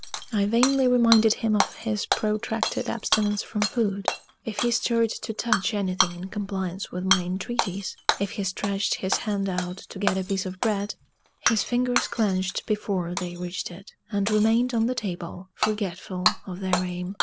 I vainly reminded him of his protracted abstinence from food. If he stirred to touch anything in compliance with my entreaties if he stretched his hand out to get a piece of bread his fingers clenched before they reached it, and remained on the table, forgetful of their aim.